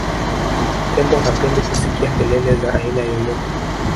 tembo hapendi kusikia kelele za aina yoyote